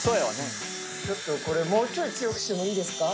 ちょっとこれ、もうちょい強くしてもいいですか？